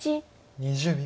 ２０秒。